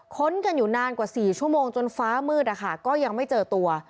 ค้นกันอยู่นานกว่า๔ชั่วโมงจนฟ้ามืดนะคะก็ยังไม่เจอตัว